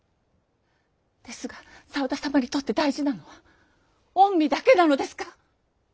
ですが沢田様にとって大事なのは御身だけなのですか？